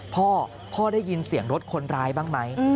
พ่อพ่อได้ยินเสียงรถคนร้ายบ้างไหม